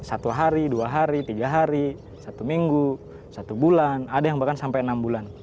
satu hari dua hari tiga hari satu minggu satu bulan ada yang bahkan sampai enam bulan